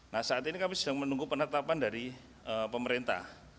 nah saat ini kami sedang menunggu penetapan dari pemerintah